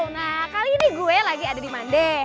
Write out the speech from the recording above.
nah kali ini gue lagi ada di mande